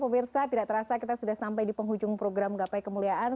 pemirsa tidak terasa kita sudah sampai di penghujung program gapai kemuliaan